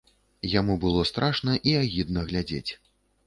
Яму было страшна і агідна глядзець.